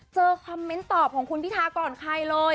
คอมเมนต์ตอบของคุณพิทาก่อนใครเลย